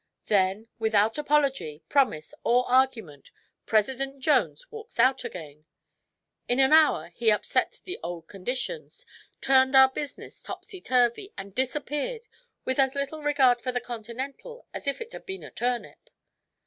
Then, without apology, promise or argument, President Jones walks out again! In an hour he upset the old conditions, turned our business topsy turvy and disappeared with as little regard for the Continental as if it had been a turnip.